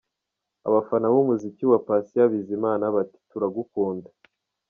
Abafana b'umuziki wa Patient Bizimana bati 'Turagukunda'.